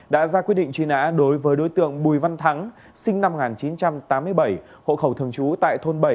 đã ra quyết định truy nã đối với đối tượng bùi văn thắng sinh năm một nghìn chín trăm tám mươi bảy hộ khẩu thường trú tại thôn bảy